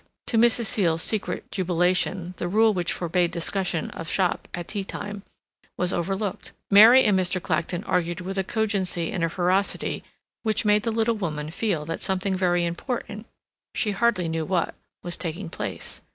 To Mrs. Seal's secret jubilation the rule which forbade discussion of shop at tea time was overlooked. Mary and Mr. Clacton argued with a cogency and a ferocity which made the little woman feel that something very important—she hardly knew what—was taking place.